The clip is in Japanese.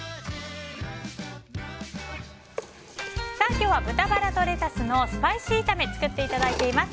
今日は豚バラとレタスのスパイシー炒め作っていただいています。